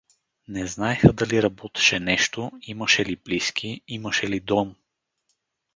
Не знаеха дали работеше нещо, имаше ли близки, имаше ли дом.